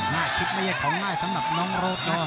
น่าคิดไม่ใช่ของง่ายสำหรับน้องโรดอน